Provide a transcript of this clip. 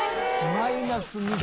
マイナス２度。